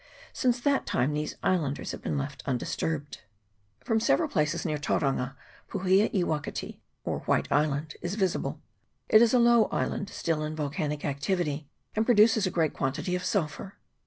Since that time these islanders have been left un disturbed. From several places near Tauranga, Puhia i Wakati, or White Island, is visible. It is a low island, still in volcanic activity, and produces a great quantity of sulphur.